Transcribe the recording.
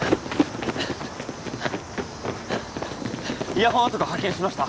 イヤホン男発見しました